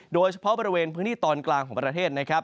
โดยเฉพาะบริเวณพื้นที่ตอนกลางของประเทศนะครับ